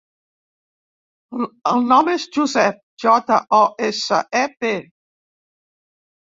El nom és Josep: jota, o, essa, e, pe.